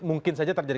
mungkin saja terjadi